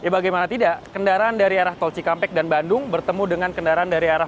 bagaimana tidak kendaraan dari arah tol cikampek dan bandung bertemu dengan kendaraan dari arah